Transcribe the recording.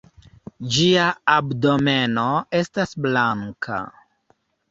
Ĝia abdomeno estas blanka.